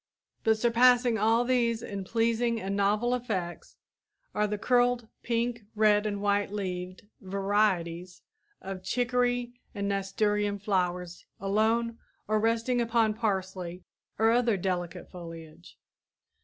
But surpassing all these in pleasing and novel effects are the curled, pink, red and white leaved varieties of chicory and nasturtium flowers alone or resting upon parsley or other delicate foliage.